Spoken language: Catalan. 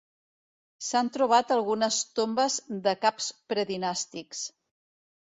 S'han trobat algunes tombes de caps predinàstics.